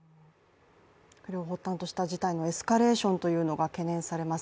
これを発端とした事態のエスカレーションが懸念されます。